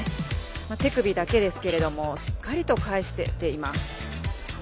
手首だけですけどもしっかりと返せています。